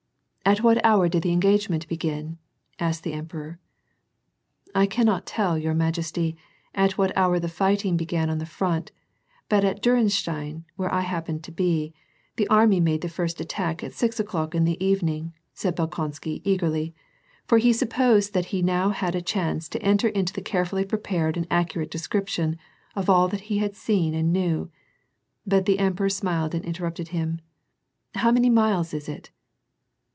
"At what hour did the engagement begin?" asked the emperor. "I cannot tell, your majesty, at what hour the fighting began on the front, but at Diirenstein, where I happened to be, the army made the first attack at six o'clock in the evening," said Bolkonsky ej^rly, for he supposed that now he had a chance to enter into the carefully prepared and accurate description of all that he had seen and knew. But the emperor smiled and interrupted him, — "How many miles is it